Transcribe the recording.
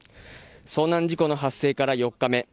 遭難事故の発生から４日目。